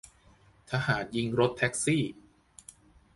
ทหารยิงรถแท็กซี่